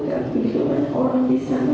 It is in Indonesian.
dan kebutuhan orang di sana